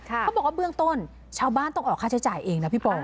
เขาบอกว่าเบื้องต้นชาวบ้านต้องออกค่าใช้จ่ายเองนะพี่ปอ